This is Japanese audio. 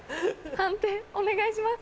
判定お願いします。